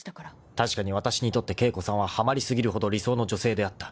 ［確かにわたしにとって景子さんははまり過ぎるほど理想の女性であった］